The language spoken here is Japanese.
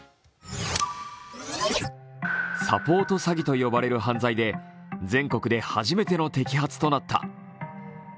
サポート詐欺と呼ばれる犯罪で全国で初めての摘発となった。